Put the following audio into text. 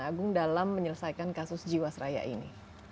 agung dalam menyelesaikan kasus jiwasraya ini